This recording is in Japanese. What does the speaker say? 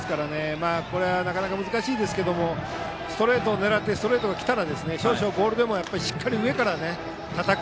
なかなか難しいですがストレートを狙ってストレートが来たら少々ボールでもしっかり上からたたく。